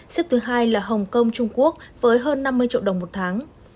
xếp thứ hai là hồng kông trung quốc với hơn năm mươi triệu đồng một tháng